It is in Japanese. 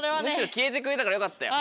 消えてくれたからよかったよ。